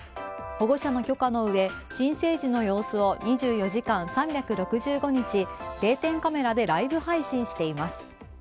保護者の許可のうえ新生児の様子を２４時間３６５日、定点カメラでライブ配信しています。